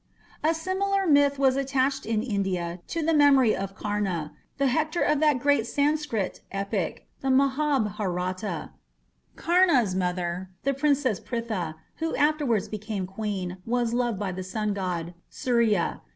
A similar myth was attached in India to the memory of Karna, the Hector of that great Sanskrit epic the Mahabharata. Kama's mother, the Princess Pritha, who afterwards became a queen, was loved by the sun god, Surya.